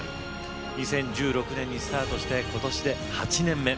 ２０１６年にスタートして今年で８年目。